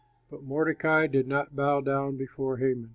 But Mordecai did not bow down before Haman.